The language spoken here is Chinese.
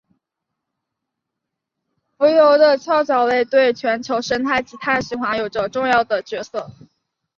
浮游的桡脚类对全球生态及碳循环有着重要的角色。